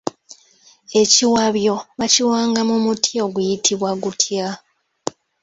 Ekiwabyo bakiwanga mu muti oguyitibwa gutya?